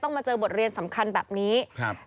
มาเจอบทเรียนสำคัญแบบนี้ครับ